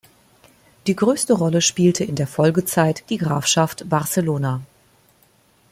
Die größte Rolle spielte in der Folgezeit die Grafschaft Barcelona.